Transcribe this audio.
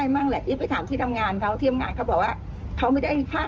ไม่ได้เป็นแบบนี้นะดีมาก